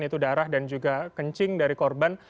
yaitu darah dan juga kencing dari korban